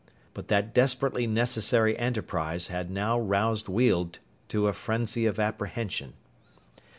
But that desperately necessary enterprise had now roused Weald to a frenzy of apprehension.